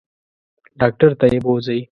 ډاکټر ته یې بوزئ.